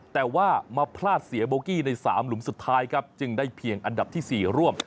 แต่ว่ามาพลาดเสียโบกี้ใน๓หลุมสุดท้ายครับจึงได้เพียงอันดับที่๔ร่วม